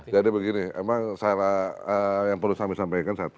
jadi begini emang saya yang perlu saya sampaikan satu